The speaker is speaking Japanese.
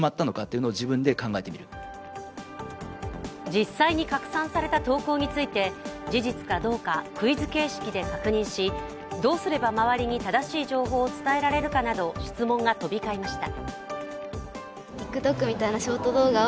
実際に拡散された投稿について事実かどうか、クイズ形式で確認しどうすれば周りに正しい情報を伝えられるかなど質問が飛び交いました。